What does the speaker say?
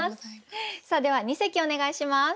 さあでは二席お願いします。